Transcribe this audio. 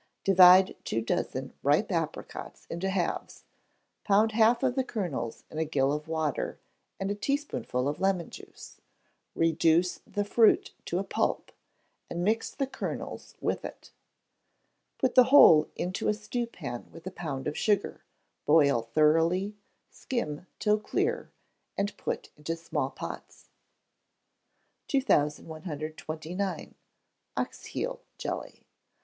Divide two dozen ripe apricots into halves, pound half of the kernels in a gill of water, and a teaspoonful of lemon juice; reduce the fruit to a pulp, and mix the kernels with it; put the whole into a stewpan with a pound of sugar, boil thoroughly, skim till clear, and put into small pots. 2129. Ox heel Jelly.